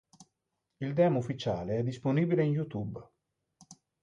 Il demo ufficiale è disponibile in YouTube.